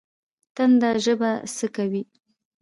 تنده ژبه څه کوي؟